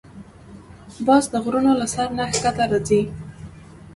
باز د غرونو له سر نه ښکته راځي